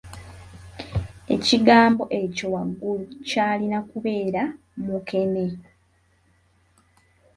Ekigambo ekyo waggulu kyalina kubeera "mukene"